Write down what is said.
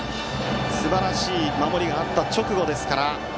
すばらしい守りがあった直後。